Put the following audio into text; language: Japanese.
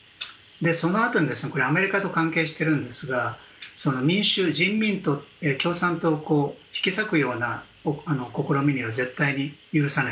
そのあとにアメリカと関係しているんですが民衆、人民と共産党を引き裂くような試みは絶対に許さない。